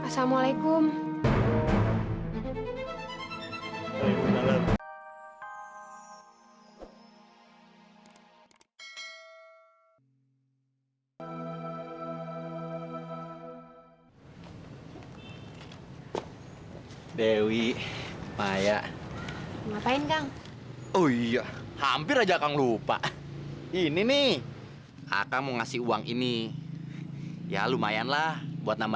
sampai jumpa di video selanjutnya